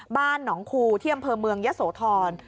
บ้านหนองครูเที่ยมเผอร์เมืองยะโสธร